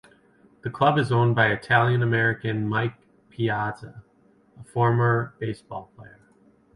The club is owned by Italian-American Mike Piazza, a former baseball player.